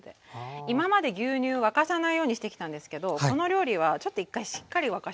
今まで牛乳沸かさないようにしてきたんですけどこの料理はちょっと一回しっかり沸かします。